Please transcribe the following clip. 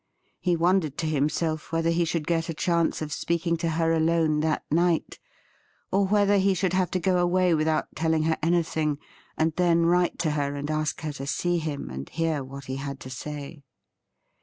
He wondered to himself whether he should get a chance of speaking to her alone that night, or whether he should have to go away without telling her anything, and then write to her and ask her to see him and hear what he had to say.